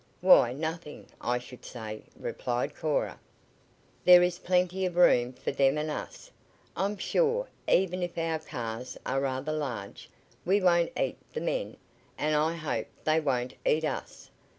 "Why, nothing, I should say," replied Cora. "There is plenty of room for them and us, I'm sure, even if our cars are rather large. We won't eat the men, and I hope they won't eat us."